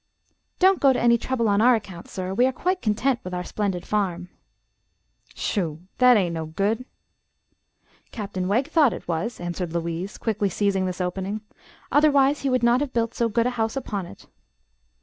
"Don't go to any trouble on our account, sir; we are quite content with our splendid farm." "Shoo! Thet ain't no good." "Captain Wegg thought it was," answered Louise, quickly seizing this opening. "Otherwise he would not have built so good a house upon it."